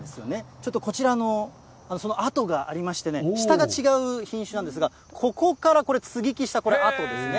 ちょっとこちらのあとがありましてね、下が違う品種なんですが、ここからこれ、接ぎ木したこれ、跡ですね。